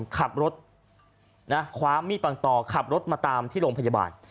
ขับรถคว้ามีดปังต่อขับรถมาตามที่โรงพยาบาล